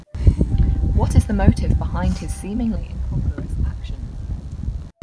What is the motive behind his seemingly incongruous actions?